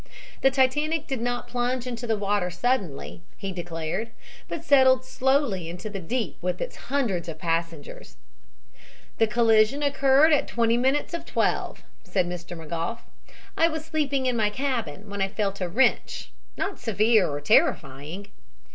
The Titanic did not plunge into the water suddenly, he declared, but settled slowly into the deep with its hundreds of passengers. "The collision occurred at 20 minutes of 12," said Mr. McGough. "I was sleeping in my cabin when I felt a wrench, not severe or terrifying.